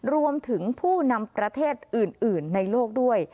รวมถึงผู้นำประเทศอื่นในโลกด้วย